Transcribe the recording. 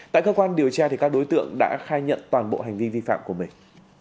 tại cơ quan điều tra các đối tượng đã khai nhận toàn bộ hành vi vi phạm của mình